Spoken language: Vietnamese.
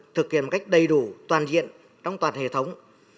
thực hiện một cách đầy đủ toàn diện trong toàn hệ thống